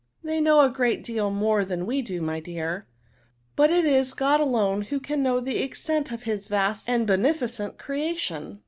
^ They know a great deal more than we doy my dear ; but it is God alone who can know the extent of his vast and beneficent creation.